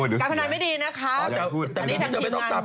การพนันไม่ดีนะครับ